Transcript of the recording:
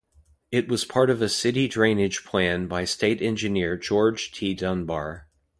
It was part of a city drainage plan by state engineer George T. Dunbar.